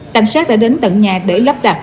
cảnh sát đã đến tận nhà để lắp đặt